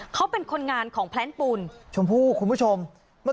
เขาเป็นคนงานของแพลนพูด